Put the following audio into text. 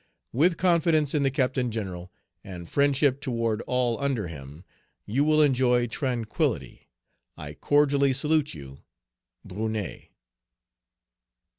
With confidence in the Captain General, and friendship toward all under him, you will enjoy tranquillity. "I cordially salute you, "BRUNET."